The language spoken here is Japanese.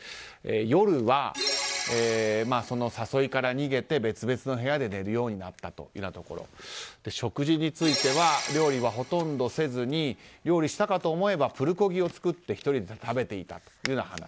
夜は誘いから逃げて別々の部屋で寝るようになったというところや食事については料理はほとんどせずに料理したかと思えばプルコギを作って１人で食べていたという話。